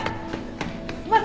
待って！